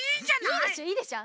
いいでしょいいでしょ。